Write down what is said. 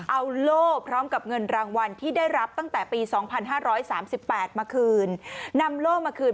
เอาโล่พร้อมกับเงินรางวัลที่ได้รับตั้งแต่ปี๒๕๓๘มาคืนนำโล่มาคืน